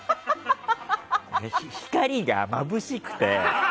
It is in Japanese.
光がまぶしくて。